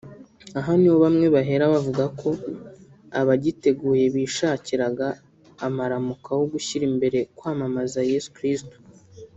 Aha ni ho bamwe bahera bavuga ko abagiteguye bishakiraga amaramuko aho gushyira imbere kwamamaza Yesu Kristo